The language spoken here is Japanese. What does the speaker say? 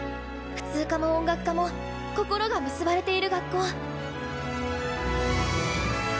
普通科も音楽科も心が結ばれている学校。